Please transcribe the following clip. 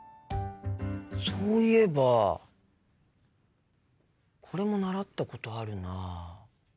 そういえばこれも習ったことあるな。